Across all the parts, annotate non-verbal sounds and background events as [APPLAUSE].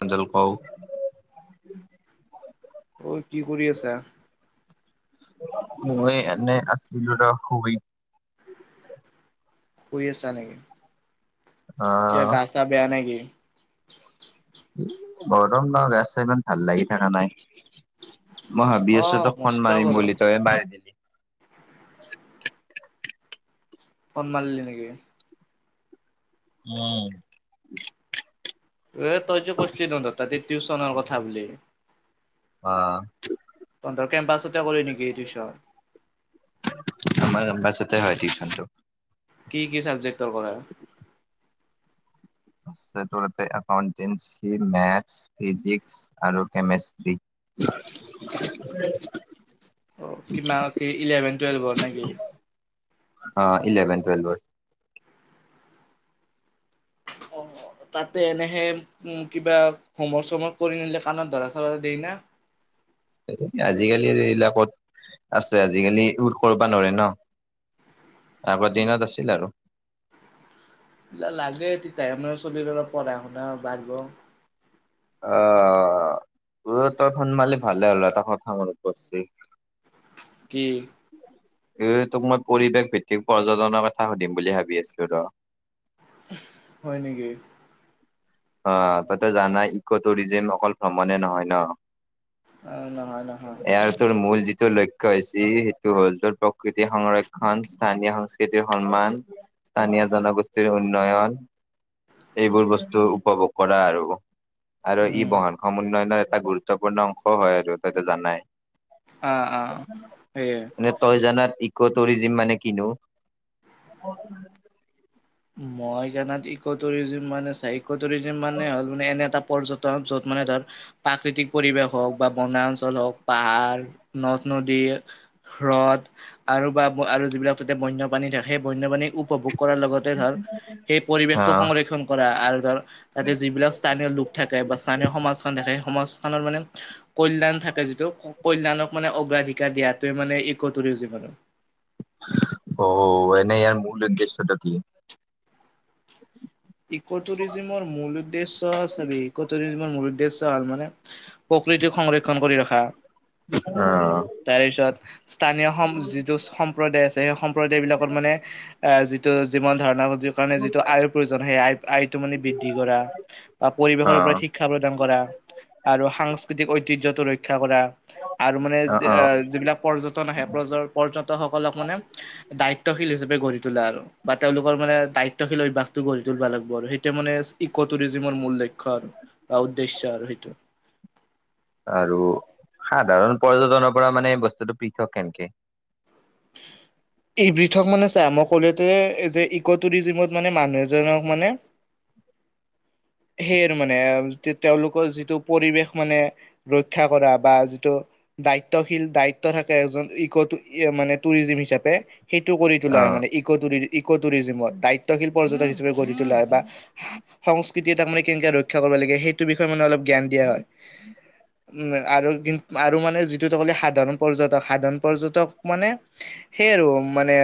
অ জল কও অ কি কৰি আছা মই এনেই আছিলোঁ ৰ শুই শুই আছা নেকি এয়া আহ গা চা বেয়া নেকি গৰম ন গা চা ইমান ভাল লাগি থকা নাই মই ভাবি অ আছো তই ফোন মস্ত মাৰিম গৰম বুলি তই মাৰি দিলি ফন মাৰিলি নেকি? উম এ তই যে কৈছিলি দেখোন তাতে টিউচনৰ কথা বুলি অ তন্ত্ৰৰ কেম্পাছতে কৰি নেকি টিউচন আমাৰ কেম্পাছতে হয় টিউশনটো কি কি চাবজেক্টৰ কৰে? এছথৰেতে একাউণ্টেঞ্চি মেথছ ফিজিক্স আৰু কেমেষ্ট্ৰি হয় অ কিবা কি ইলেভেন টুৱেলভৰ নেকি অ ইলেভেন, টুৱেলভৰ। [UNINTELLIGIBLE] অ তাতে এনেহে উম কিবা হোমৱৰ্ক চমৰ্ক কৰি নিলে কাণত ধৰা চৰা দেই না আজিকালিৰ এইবিলাকত আছে আজিকালি ৰোড কৰবা নোৱাৰে ন তাৰপা দিনত আছিল আৰু লাগে তেতিয়া মানে চলি পঢ়া শুনা বাঢ়িব অ ত তই ফোন মালি ভালে হ'ল এটা কথা মন পৰছি কি এই তোক মই পৰিৱেশ ভিত্তিক পৰ্যটনৰ কথা সুধিম বুলি ভাবি আছলো ৰ হয় নেকি অ তাতে জানাই ইকো টুৰিজিম অকল ভ্ৰমণে নহয় ন অ নহয় নহয় টো লক্ষ্য হৈছে সেইটো হ'ল তোৰ প্ৰকৃতিৰ সংৰক্ষণ, স্থানীয় সংস্কৃতিৰ সন্মান স্থানীয় জনগোষ্ঠীৰ উন্নয়ন এইবোৰ বস্তু উপভোগ কৰা আৰু আৰু ই উম বহন সম উন্নয়নৰ এটা গুৰুত্বপূৰ্ণ অংশ হয় আৰু তাকে জানাই আহ আহ সেয়াই ইকো টুৰিজিম মানে কিনো মই জানাত ইক টুৰিজিম মানে চাই ইক টুৰিজিম মানে হ'ল মানে এনে এটা পৰ্যটক য'ত মানে তাৰ প্ৰাকৃতিক পৰিৱেশ হওক বা বনা অঞ্চল হওক পাহাৰ, নদ নদী, হ্ৰদ আৰু বা আৰু যিবিলাক তাতে বন্যপাণী সেই বন্যপাণী উপভোগ কৰাৰ লগতে ধৰ সেই পৰিৱেশ অ টো সংৰক্ষন কৰা আৰু ধৰ তাতে যিবিলাক স্থানীয় লোক থাকে বা স্থানীয় সমাজখন থাকে সে সমাজখন মানে কল্যাণ থাকে যিটো কল্যাণক মানে অগ্ৰাধিকাৰ দিয়াতোৱে মানে ইক' টুৰিজিম আৰু অ এনে ইয়াৰ মূল উদ্দেশ্যটো কি ইক' টুৰিজিমৰ মূল উদ্দেশ্য চাবি ইকটুৰিজিমৰ মূল উদ্দেশ্য মানে প্ৰকৃতিক সংৰক্ষণ কৰি ৰখা অ তাৰ পিছত স্থানীয় সম যিটো সম্প্ৰদায় আছে সেই সম্প্ৰদায় বিলাকত মানে আহ যিটো যিমান ধাৰণা যি কাৰণে যিটো আয়ৰ প্ৰয়োজন সে আই আয়তো মানে বৃদ্ধি কৰা বা অ পৰিৱেশৰ ওপৰত শিক্ষা প্ৰদান কৰা আৰু সাংস্কৃতিক ঐতিহ্যৰ টো ৰক্ষা কৰা আৰু মানে অ অ যিবিলাক পৰ্যটন আহে পৰ্যতকসলক মানে দায়িত্ব শিল হিচাপে গঢ়িতোলা আৰু বা তেওঁলোকৰ মানে দায়িত্বশীল অভ্যাস কৰি তুলবা লাগব আৰু সেইটা মানেছ ইক টৰিজমৰ মূল লক্ষ্য শ বা উদ্দেশ্য আৰু সেইটো আৰু সাধাৰণ পৰ্যটনৰ পৰা মানে বস্তুটো পৃথক কেনকে? এই পৃথক মানে চাই মই ক'লেতে এই যে ইক' টুৰিজিমত মানে মানুহ এজনক মানে সেই আৰু মানে তেওঁলোকৰ যিটো পৰিৱেশ মানে ৰক্ষা কৰা বা যিটো দায়িত্বশীল দায়িত্ব থাকে এজন ইকটো মানে টুৰিজি হিচাপে সেইটো কৰি তোলা হয় মান অ ই ইক টুৰিজিমত দায়িত্বশীল পৰ্যটক গঢি তোলাৰ বা সংস্কৃতি তাক মানে কেনেকে ৰক্ষা কৰিব লাগে সেইটো বিষয়ে মানে অলপ জ্ঞান দিয়া হয় উম আৰু কি আৰু মানে যিটোত ক'লে সাধাৰণ পৰ্যটক সাধাৰণ পৰ্যটক মানে সেই আৰু মানে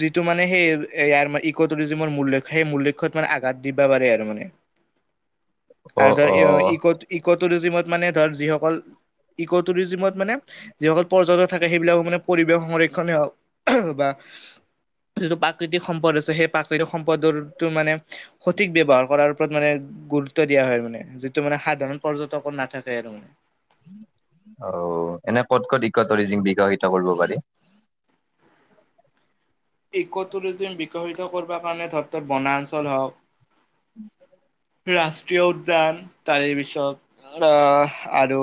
যিটো মানে সেই ইয়াৰ মানে ইক টুৰিজিমৰ মূল্য লক্ষ সেই মূল লক্ষ্যখত মানে আঘাত দিবা পাৰে আৰু মানে অ আৰু ধৰ অ ইক ইক টুৰিজিমত মানে ধৰ যিসকল ইক' টুৰিজিমত মানে যিসকল পৰ্যটক থাকে সেইবিলাকো মানে পৰিৱেশ সংৰক্ষণে হওক বা যিটো প্ৰাকৃতিক সম্পদ আছে সেই প্ৰাকৃতিক সম্পদৰটো মানে সঠিক ব্যৱহাৰ কৰাৰ ওপৰত মানে গুৰুত্ব দিয়া হয় মানে যিটো মানে সাধাৰণ পৰ্যটকৰ নাথাকে আৰু মানে অ এনে কত কত ইকতৰিজিম বিকশিত কৰিব পাৰি ইকটোৰিজিম বিকশিত কৰিব কাৰণে ধতত বনাঞ্চল হওক উম ৰাষ্ট্ৰীয় উদ্যান তাৰে পিছত আহ আৰু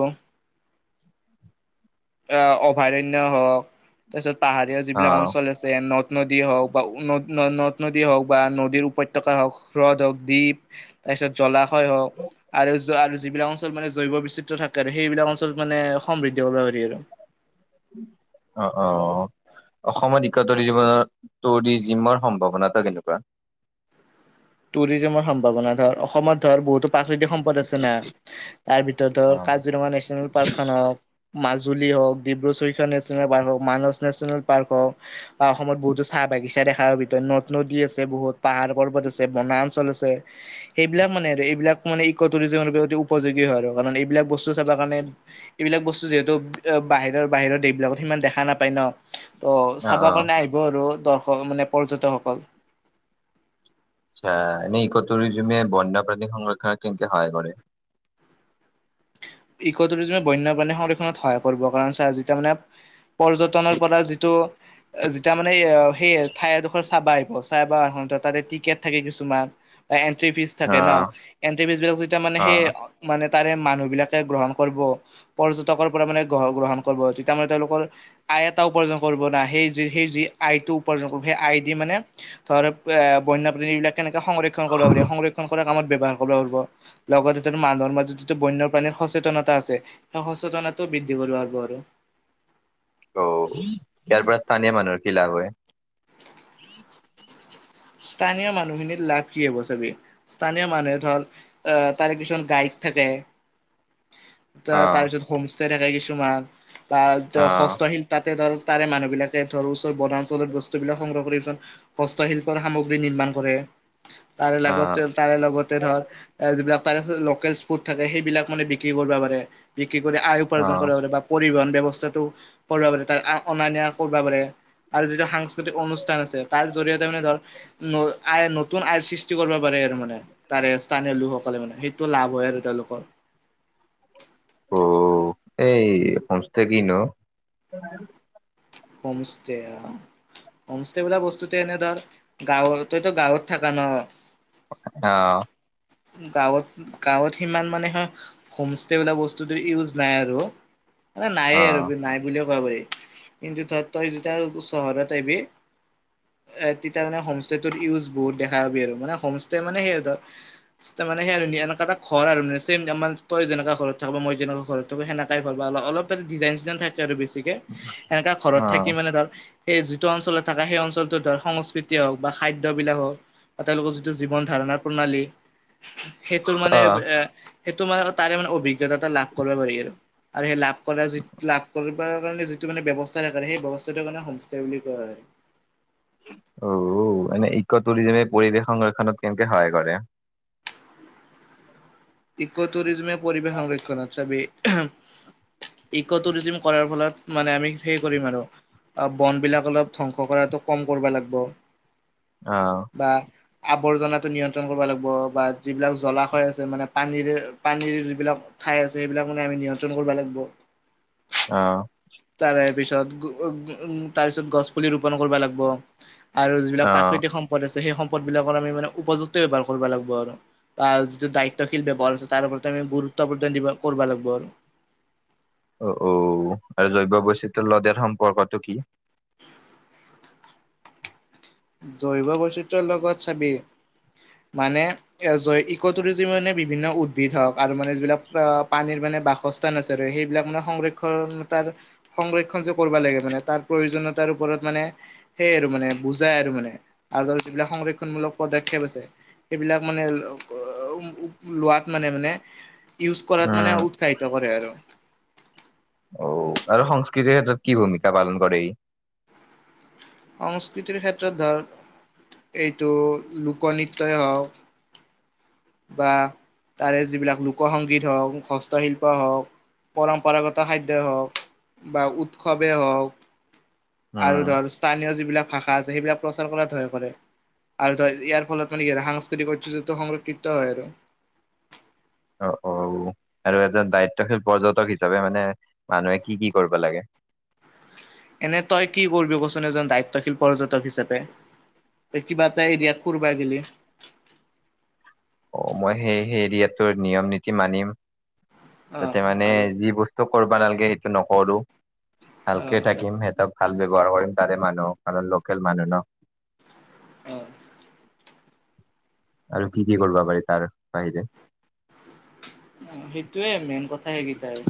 অ অভয়াৰণ্য হওক তাৰপিছত পাহাৰীয়া যিবিলাক অ অঞ্চল আছে ন নদী হওক বা ন নদ নদী হওক বা নদীৰ উপত্যকা হওক হ্ৰদ হওক দ্বীপ তাৰ পিছত জলাশয় হওক আৰু জ আৰু জ যিবিলাক অঞ্চল মানে জৈৱ বিচিত্ৰ থাকে আৰু সেইবিলাক অঞ্চল মানে সমৃদ্ধি কৰিব পাৰি আৰু। অ অ অসমত একতৰ জীৱনৰ টুৰিজিমৰ সম্ভাৱনাটো কেনেকুৱা? টুৰিজমৰ সম্ভাৱনা ধৰ অসমত ধৰ বহুতো প্ৰাচৈদ্য সম্পদ আছে না তাৰ ভিতৰত অ কাজিৰঙা নেচনেল পাৰ্কখন হওক মাজ- জুলি হওক, ডিব্ৰু ছৈখোৱা নেচনেল পাৰ্ক হওক, মানচ নেচনেল পাৰ্ক হওক অসমত বহুতো চাহ বাগিচা দেখাৰ ভিতৰত নদ নদী আছে বহুত পাহাৰ পৰ্বত আছ- বনাঞ্চল আছে সেইবিলাক মানে আৰু এইবিলাক মানে ইক' টুৰিজমৰ অ উপযোগী হয় আৰু কাৰণ এইবিলাক বস্তু চাব কাৰণে এইবিলাক বস্তু যিহেতু বাহিৰৰ বাহিৰৰ দেশ বিলাকত সিমান দেখা নাপায় ন। ত' অ চাব অ কাৰণে আহিব আৰু দৰ্শক মানে পৰ্যটকসকল আচ্ছা এনে ইকটোৰিজিমত বন্য প্ৰাণী সংৰক্ষণ কেনকা সহায় কৰে। ইকটোৰিজিমত বন্যপ্ৰাণী সংৰক্ষণত সহায় কৰিব কাৰণে আজি তাৰ মানে পৰ্যটনৰ পৰা যিটো যেতিয়া মানে সেই ঠাইডোখৰ চাবা আহিব চাই তাতে টিকেট থাকে কিছুমান বা এন্ট্ৰি ফিজ অ থাকে ন। এন্ট্ৰি ফিজ বিলাক যেতিয়া মানে অ সেই মানে তাৰে মানুহ বিলাক গ্ৰহণ কৰিব পৰ্যটকৰ পৰা মানে গ গ্ৰহণ কৰিব তেতিয়া মানে তেওঁলোকৰ আই এটা উপাৰ্জন কৰ- মানে সেই জুই আইটো উপাৰ্জন কৰিব সেই আই দি মানে ধৰা পোৱা বন্যপ্ৰাণীবিলাক কেনেকে সংৰক্ষণ কৰিব পাৰি সংৰক্ষণ কৰা কামত ব্যৱহাৰ কৰিব পাৰব লগতে ত মা ধৰ্ম টো টো টো বন্য- পানীৰ সচেতনতা আছে সেই সচেতনতটো বৃদ্ধি কৰিব পাৰব আৰু। অ ইয়াৰ পৰা স্থানীয় মানুহৰ কি লাভ হয়? স্থানীয় মানুহখিনিৰ লাভ কি হব চাবি। স্থানীয় মানুহে ধৰ আহ তাৰে কিছমান গাইড থাকে। ত অ তাৰপিছত হোম ষ্টে থাকে কিছুমান তাৰ অ হস্তশীল তাতে ধৰ তাৰে মানুহ বিলাকে ধৰ ওচৰ বনাঞ্চলত বস্তুবিলাক সংগ্ৰহ কৰি হস্তশিল- সামগ্ৰী নিৰ্মাণ কৰে তাৰে অ লগতে তাৰে লগতে ধৰ এ যিবিলাক তাৰছত লকেল ফুডচ্ থাকে সেইবিলাক মানে বিক্ৰী কৰবা পাৰে কি কৰি আয় অ উপাৰ্জন কৰা বোলে বা পৰিবহন ব্যৱস্থা চেতো কৰিব পাৰে ত অনা নিয়া কৰবা পাৰে আৰু যিটো সাংস্কৃতিক অনুষ্ঠান তাৰ আছে তাৰ জৰিয়তে মানে ধৰ ন আয় নতুন আয়ৰ সৃষ্টি কৰিব পাৰে আৰু মানে তাৰে স্থানীয় লোকসকলে মানে সেইটো লাভ হয় তেওঁলোকৰ অ এই পন ষ্টাৰ কি ন হোম ষ্টেয়া হোমষ্টে বলা বস্তুতে এনে ধৰ গাঁৱত তইতো গাঁৱত থাকা ন আহ গাঁৱত গাঁৱত সিমান মানে হোমষ্টে বোলা বস্তুটো ইউজ নাই আৰু। নায়ে অ অ আৰু নাই বুলিয়ে কব পাৰি। কিন্তু তই তই যেতিয়া চহৰত আহবি। এ তেতিয়া মানে হোমষ্টে ইউজ বহুত দেখা পাবি আৰু মানে হোমষ্টে মানে সেই ধৰ- মানে সেই এনেুৱা এটা ঘৰ আৰু মানে ছেম আমাৰ তই যেনেকুৱা ঘৰত থাকব মই যেনেকুৱা ঘৰত থাকো সেনেকাই ঘৰ বা অ অলপ ডিজাইন চিজাইন থাকে আৰু বেছিকে এনেকা ঘৰত অ থাকি মানে ধৰ এ- ত অঞ্চলত থাকা সেই অঞ্চলটোত ধৰ সংস্কৃতি হওক বা খাদ্যবিলাক হওক বা তেওঁলোকৰ যিটো জীৱন ধাৰণা প্ৰণালী সেইটোৰ মানে অ', এ সেইটো মানে তাৰে মানে অভিজ্ঞতা এটা লাভ কৰিব পাৰি আৰু। আৰু সেই লাভ কৰা যি লাভ কৰিব কাৰণে যিটো মানে ব্যৱস- সেই ব্যৱস্থাটো কাৰণে সংস্কাৰ বুলি কোৱা হয়। অ এনে ইকটুৰিজমে পৰিৱেশ সংৰক্ষণত কেনেকে সহায় কৰে? [INAUDIBLE] ইক' ইকটুৰিজিম কৰাৰ ফলত মানে আমি সেই কৰিম আৰু বন বিলাক অলপ ধ্বংস কৰাতটো কম কৰিব লাগব। আহ আৱৰ্জনাটো নিয়ন্ত্ৰণ কৰবা লাগব বা যিবিলাক জলাশয় আছে মানে পানীৰে পানীৰ যিবিলাক ঠাই আছে সেইবিলাক মানে আমি নিয়ন্ত্ৰণ কৰবা লাগব অ তাৰে পিছত গঅ গঅ তাৰপিছত গছ পুলি ৰোপন কৰবা লাগব আৰু যিবিলাক অ', প্ৰাকৃতিক সম্পদ আছে সেই সম্পদ বিলাকৰ আমি মানে উপযুক্ত ব্যৱহাৰ কৰবা লাগব আৰু বা যিটো দায়িত্বশীল ব্যৱহাৰ আছে তাৰ ওপৰ আমি গুৰুত্ব প্ৰদান দিব কৰবা লাগব আৰু অ অ আৰু জৈৱ বৈচিত্ৰ ল দিয়াত সম্পৰ্কটো কি জৈৱ বৈচিত্ৰৰ লগত চাবি মানে এঅজয় ইকটুৰিজি মানে বিভিন্ন উদ্ভিদ হওক আৰু মানে যিবিলাক পানীৰ মানে বাসস্থান আছে সেইবিলাক মানে সংৰক্ষণ তাৰ সংৰক্ষণ যে কৰবা লাগে মানে তাৰ প্ৰয়োজনত তাৰ ওপৰত মানে সেই আৰু মানে বুজ যায় আৰু মানে আৰু যিবিলাক সংৰক্ষণমূলক পদক্ষেপ আছে সেইবিলাক মানে [UNINTELLIGIBLE] লোৱাত মানে মানে ইউজ কৰাত মানে উম, উৎসাহিত কৰে আৰু অ আৰু সংস্কৃতিৰ ক্ষেত্ৰত কি ভূমিকা পালন কৰে ই সংস্কৃতিৰ ক্ষেত্ৰত ধৰ এইটো লোকনৃত্যই হওক বা তাৰে যিবিলাক লোক সংগীত হওক হস্তশিল্প হওক পৰম্পৰাগত খাদ্য হওক বা উৎসৱে হওক উম, আৰু ধৰ স্থানীয় যিবিলাক ভাষা আছে সেইবিলাক প্ৰচাৰ কৰাত ভয় কৰে আৰু ধৰ ইয়াৰ ফলত মানে কি সাংস্কৃতিক ঐতিহ্য সংৰক্ষিত ত আৰু অ ঔ আৰু এজন দায়িত্বশীল পৰ্যটক হিচাপে মানে মানুহে কি কি কৰিব লাগে [INAUDIBLE] তত্বশীল পৰ্যটক হিচাপ ত কিবা এটা এৰিয়াত কৰবা গেলে-। অঁ মই সেই সেই এৰিয়াটোৰ নিয়ম নীতি মানিম। অ তাতে মানে আৰু যি বস্তু কৰিবা নালাগে সেইটো নকৰো। অ ভালকে থাকিম সেইটো ভাল ব্যৱহাৰ কৰিম তাৰে মানুহ কাৰণ লোকেল মানুহ ন। অহঁ। আৰু কি কি কৰবা পাৰি তাৰ বাহিৰে? অঁ সেইটোৱে মেইন কথা সেগেটাই।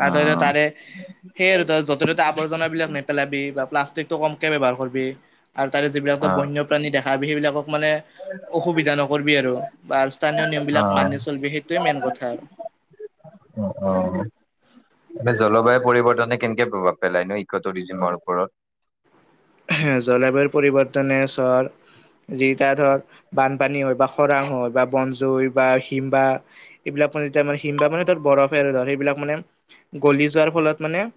তাত আৰু অ', তাৰে সেই আৰু তাত য'তে ত'তে আৱৰ্জনাবিলাক নেপেলাবি বা প্লাষ্টিকতো- কমকে ব্যৱহাৰ কৰবি। আৰু তাৰে যিবিলাকো তই অ', বন্যপ্ৰাণী দেখা পাবি সেইবিলাকক মানে অসুবিধা নকৰিবি আৰু বা স্থানীয়- নিয়ম অ', মানি চলবি সেইটোৱে মেইন কথা আৰু। অঁ অঁ। জলবায়ু পৰিৱৰ্তনে কেনেকে প্ৰভাৱ পেলায় নো ইকটুৰজিয়মৰ ওপৰত। জলবায়ু পৰিৱৰ্তনে ছৰ- যিকিটা ধৰ বানপানী হয় বা খৰাং হয় বা বনজ- জৈ বা হিম বা এইবিলাকৰ মানে এতয়া হিম বা মানে তাত বৰফে মানে ধৰ সেইবিলাক মানে গলি- যোৱাৰ ফলত মানে-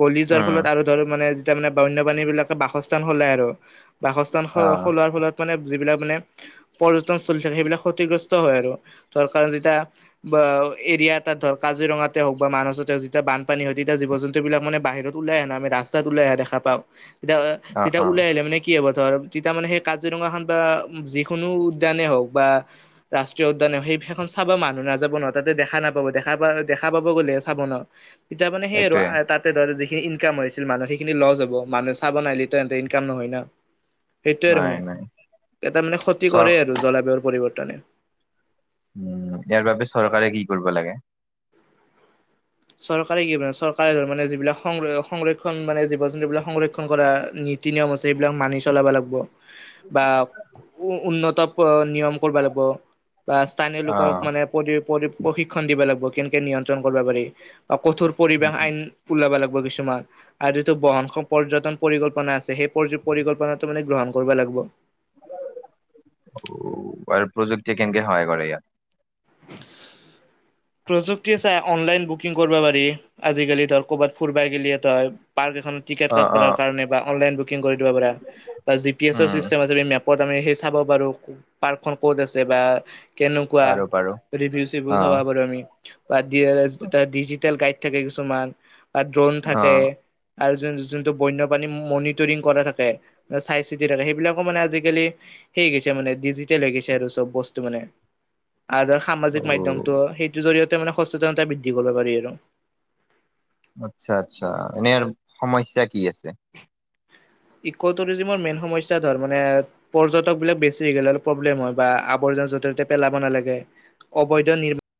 গলি যোৱাৰ উম, ফলত আৰু ধৰ মানে যেতিয়া মানে বন্যপাণী বিলাকে বাসস্থান সলায় আৰু। বাসস্থান অ', সলোৱাৰ ফলত মানে যিবিলাক মানে পৰ্যটনস্থলী থাকে সেইবিলাক ক্ষতিগ্ৰস্ত- হয় আৰু। ধৰ কাৰণ যেতিয়া এৰিয়া এতাত ধৰ কাজিৰঙাতে হওঁক বা মানসতে যেতিয়া- বানপানী হয় তেতিয়া জীৱ জন্তুবিলাক মানে বাহিৰত উলাই আহে না আমি ৰাস্তাত উলাই আহা দেখা পাওঁ। তেতিয়া অ', তেতিয়া অ', উলাই আহিলে মানে কি হ'ব। ধৰ তেতিয়া মানে সেই কাজিৰঙাখন বা যিকোনো উদ্যানে হওঁক বা ৰাষ্ট্ৰীয় উদ্যানে সেই- সেইখন চাবা মানুহ নাযাব নহয় তাতে দেখা নাপাব দেখা পোৱা হ'লে দেখা পাব গ'লে চাব ন। তেতিয়া মানে সেই আৰু এইটোয়ে তাতে ধৰ যিখিনি ইনকাম হৈছিল মানুহৰ সেইখিনি লছ হ'ব। মানুহে চাব নাহিলে তেন্তে ইনকাম নহয় না। সেইটোৱে আৰু নাই মানে। নাই এটা মানে ক্ষতি চৰ কৰে আৰু জলবায়ুৰ পৰিৱৰ্তনে। উমঁ ইয়াৰ বাবে চৰকাৰে কি কৰিব লাগে? চৰকাৰে কি মানে চৰকাৰে মানে যিবিলাক সংৰক্ষণ মানে জীৱ জন্তুবিলাক সংৰক্ষণ কৰা-। নীতি নিয়ম আছে। এইবিলাক মানি চলিব লাগিব বা উন্নত-। নিয়ম কৰিব লাগিব বা স্থানীয় লোকক অ', মানে-। পৰি প্ৰশিক্ষণ দিব লাগিব কেনেকে নিয়ন্ত্ৰণ কৰিব পাৰি। অঁ কঠোৰ পৰিবেশ আইন ওলাব লাগিব-। কিছুমান আৰু যিটো বহন পৰ্যটন পৰিকল্পনা আছে সেই পৰিকল্পনাটো মানে গ্ৰহণ কৰিব লাগিব। আৰু প্ৰযুক্তিয়ে কেনকে সহায় কৰে ইয়াত? [UNINTELLIGIBLE] প্ৰযুক্তিয়ে চাই অনলাইন বুকিং কৰিব পাৰি। আজিকালি ধৰ ক'বাত ফুৰিব গেলি তই পাৰ্ক-। খন টিকেট অ', কাতিবলে অ', কাৰণে বা অনলাইন বুকিং কৰি দিব পৰা বা জি পি এছৰ উম, চিষ্টেম মেপ-। ত আমি সেই চাব পাৰো। পাৰ্কখন ক'ত আছে বা কেনেকুৱা। পাৰো পাৰো ৰিভিউ চিভিউ চাব অ', পাৰো আমি বা ডিজিটেল গাইত থাকে কিছুমান। তাত ড্ৰোন অ', থাকে-। আৰু য যোনটো বন্যপ্ৰাণী মনিটৰিং কৰা থাকে চাই চিতি থাকে, সেইবিলাকো মানে আজিকালি-। সেই গৈছে মানে ডিজিটেল হৈ গৈছে আৰু চব বস্তু মানে। আৰু সামাজিক অ', মাধ্যমটো সেইটোৰ জৰিয়তে মানে সচেতনতা বৃদ্ধি কৰিব পাৰি আৰু। আচ্ছা আচ্ছা' এনেই আৰু সমস্যা কি আছে? হয়। [UNINTELLIGIBLE] মেইন সমস্যা ধৰ মানে পৰ্যটক বিলাক বেছি হৈ গ'লে অলপ প্ৰব্লেম হয় বা আবৰ্জনা-। য'তে ত'তে পেলাব নালাগে। অবৈধ নিৰ্মাণ-